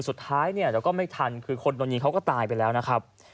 สุดท้ายเนี่ยแล้วก็ไม่ทันคือคนโดนยิงเขาก็ตายไปแล้วนะครับ